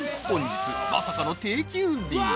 ［本日まさかの定休日］